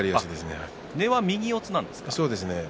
根は右四つなんですね。